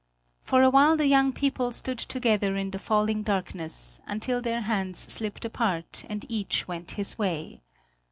For a while the young people stood together in the falling darkness, until their hands slipped apart and each went his way.